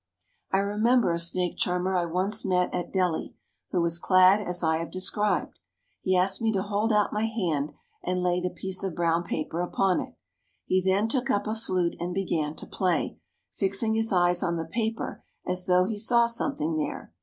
I remember a snake charmer I once met at Delhi, who was clad as I have described. He asked me to hold out my hand, and laid a piece of brown paper upon it. He then took up a flute and began to play, fixing his eyes on the paper as though he saw something there.